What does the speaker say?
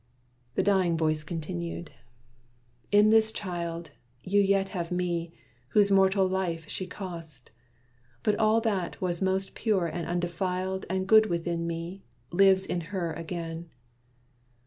The dying voice continued: "In this child You yet have me, whose mortal life she cost. But all that was most pure and undefiled, And good within me, lives in her again.